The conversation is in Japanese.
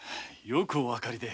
よくおわかりで。